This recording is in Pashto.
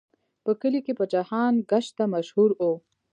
په کلي کې په جهان ګشته مشهور و.